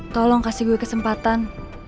tolong kasih gue kesempatan